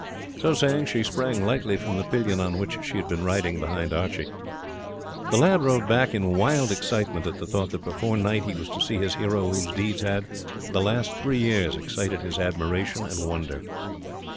So saying, she sprang lightly from the pillion on which she had been riding behind Archie. The lad rode back in wild excitement at the thought that before night he was to see his hero whose deeds had, for the last three years, excited his admiration and wonder.